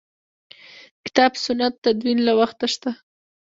کتاب سنت تدوین له وخته شته.